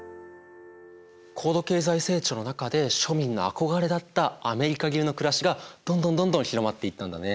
高度経済成長の中で庶民の憧れだったアメリカ流の暮らしがどんどんどんどん広まっていったんだね。